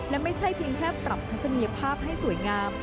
และไม่ใช่เพียงแค่ปรับทัศนียภาพให้สวยงาม